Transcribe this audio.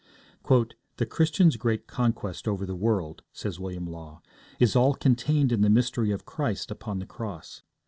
'The Christian's great conquest over the world,' says William Law, 'is all contained in the mystery of Christ upon the cross.